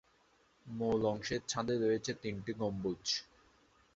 মূল অংশের ছাদে রয়েছে তিনটি গম্বুজ।